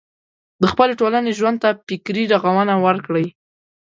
د خپلې ټولنې ژوند ته فکري روغونه ورکړي.